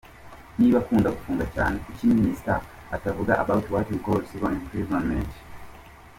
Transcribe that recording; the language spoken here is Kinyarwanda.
Niba akunda gufunga cyane, kuki Minister atavuga about what we call civil imprisonment ?